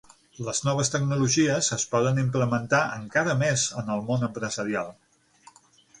Les noves tecnologies es poden implementar encara més en el món empresarial.